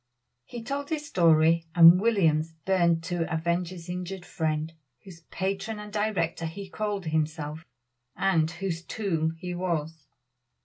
He told his story, and Williams burned to avenge his injured friend, whose patron and director he called himself, and whose tool he was.